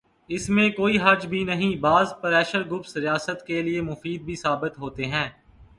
اس میں کوئی حرج بھی نہیں، بعض پریشر گروپس ریاست کے لئے مفید بھی ثابت ہوتے ہیں۔